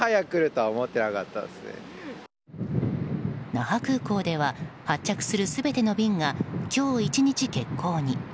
那覇空港では発着する全ての便が今日１日欠航に。